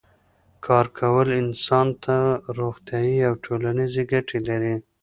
کار کول انسان ته روغتیایی او ټولنیزې ګټې لري